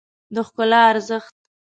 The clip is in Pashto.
د ښکلا ارزښت